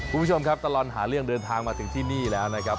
คุณผู้ชมครับตลอดหาเรื่องเดินทางมาถึงที่นี่แล้วนะครับ